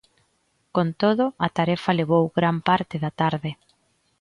Con todo, a tarefa levou gran parte da tarde.